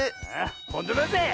ほんとだぜ！